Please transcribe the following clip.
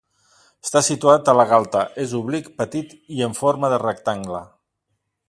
Està situat a la galta; és oblic, petit i en forma de rectangle.